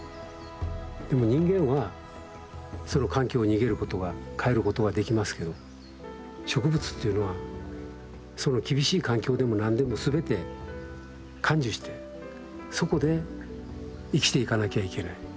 でも人間はその環境逃げることは変えることはできますけど植物っていうのはその厳しい環境でも何でも全て甘受してそこで生きていかなきゃいけない。